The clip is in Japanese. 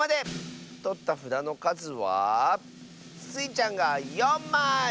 とったふだのかずはスイちゃんが４まい！